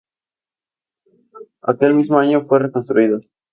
Aquel mismo año fue reconstruido.